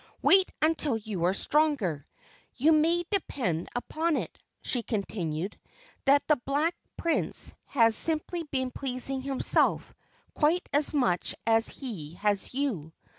Wait until you are stronger. You may depend upon it," she continued, "that the Black Prince has simply been pleasing himself, quite as much as he has you.